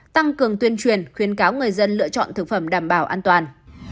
tăng cường tuyên truyền khuyến cáo người dân lựa chọn thực phẩm đảm bảo an toàn